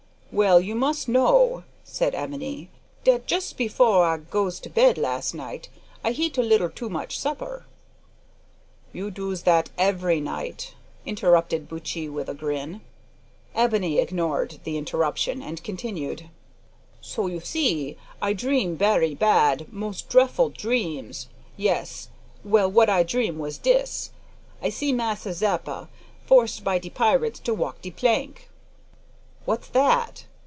"Well, you mus' know," said Ebony, "dat jus before I goes to bed las' night I heat a little too much supper " "You doos that every night" interrupted Buttchee, with a grin. Ebony ignored the interruption, and continued "So, you see, I dream berry bad mos' drefful dreams! Yes. Well, what I dream was dis. I see Massa Zeppa forced by de pierits to walk de plank " "What's that?"